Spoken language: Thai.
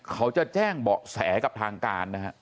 เขาจะแจ้งเบาะแสกับทางการนะฮะ